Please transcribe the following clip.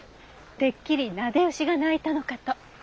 てっきりなで牛が鳴いたのかと。